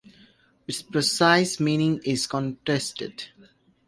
Its precise meaning is contested.